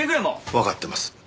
わかってます。